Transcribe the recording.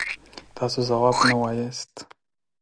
تاسو ځواب نه وایاست.